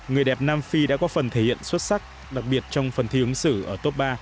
người đẹp nam phi đã có phần thể hiện xuất sắc đặc biệt trong phần thi ứng xử ở top ba